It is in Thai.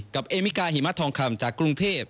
เอมิกาหิมะทองคำจากกรุงเทพ